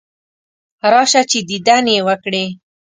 راشه چې دیدن یې وکړې.